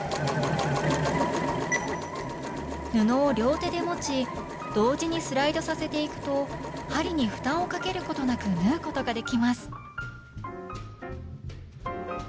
布を両手で持ち同時にスライドさせていくと針に負担をかけることなく縫うことができます